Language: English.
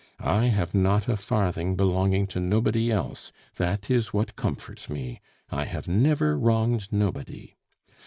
I have not a farthing belonging to nobody else, that is what comforts me. I have never wronged nobody.